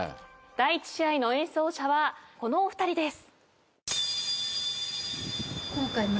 第１試合の演奏者はこのお二人です。